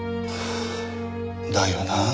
だよなあ。